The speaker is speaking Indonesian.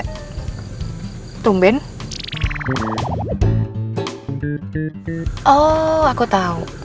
kau kenapa engga